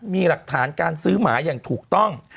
มีหลักฐานการซื้อหมาอย่างถูกต้อง